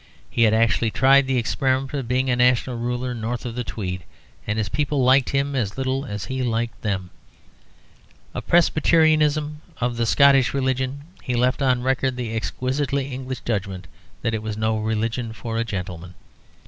He had actually tried the experiment of being a national ruler north of the Tweed, and his people liked him as little as he liked them. Of Presbyterianism, of the Scottish religion, he left on record the exquisitely English judgment that it was "no religion for a gentleman."